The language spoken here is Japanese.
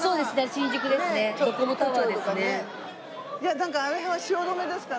なんかあの辺は汐留ですかね。